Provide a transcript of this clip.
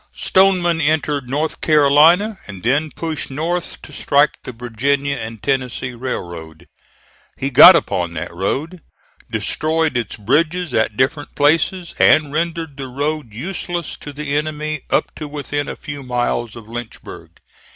Stoneman entered North Carolina and then pushed north to strike the Virginia and Tennessee Railroad. He got upon that road, destroyed its bridges at different places and rendered the road useless to the enemy up to within a few miles of Lynchburg.